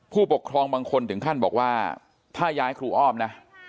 ผู้ปกครองบางคนถึงขั้นบอกว่าถ้าย้ายครูอ้อมนะ